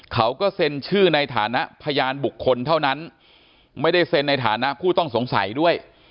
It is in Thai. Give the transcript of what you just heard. เขาก็เซ็นชื่อในฐานะพยานบุคคลเท่านั้นไม่ได้เซ็นในฐานะผู้ต้องสงสัยด้วย